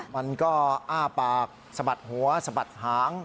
มันก็อ้าปากสะบัดหัวสะบัดหาง